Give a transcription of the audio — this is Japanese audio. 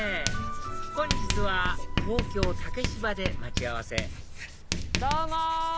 本日は東京竹芝で待ち合わせどうも！